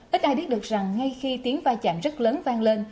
ít ai biết được rằng ngay khi tiếng vai chạm rất lớn vang lên